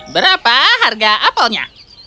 berapa harga apelnya